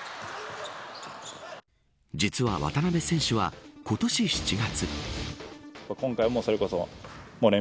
実は、渡邊選手は今年７月。